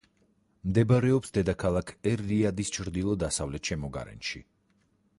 მდებარეობს დედაქალაქ ერ-რიადის ჩრდილო-დასავლეთ შემოგარენში.